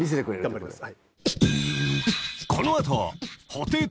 頑張ります。